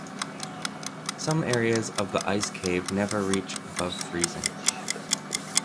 Some areas of the ice cave never reach above freezing.